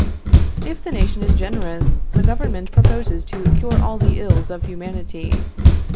If the nation is generous, the government proposes to cure all the ills of humanity.